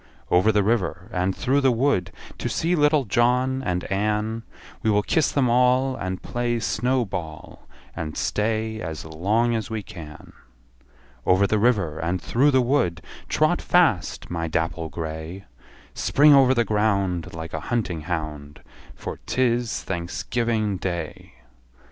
Over the river, and through the wood, To see little John and Ann; We will kiss them all, And play snow ball, And stay as long as we can. Over the river, and through the wood, Trot fast, my dapple grey! Spring over the ground, Like a hunting hound, For 't is Thanksgiving Day!